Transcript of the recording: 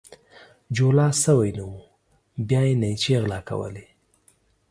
جولا سوى نه وو ، بيا يې نيچې غلا کولې.